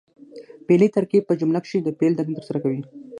فعلي ترکیب په جمله کښي د فعل دنده ترسره کوي.